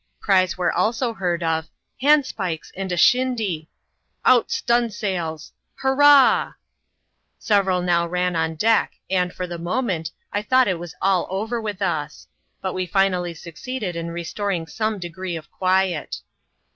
Cries were also heard, of " Handspikes and a shindy !"" Out stunsails !"" Hurrah !" Several now ran on deck, and, for the moment, I thought it was all over with us; but we finally succeeded in restoring some degree of quiet.